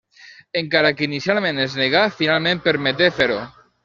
Encara que inicialment es negà, finalment permeté fer-ho.